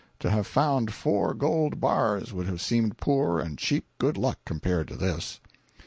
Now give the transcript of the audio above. To have found four gold bars would have seemed poor and cheap good luck compared to this.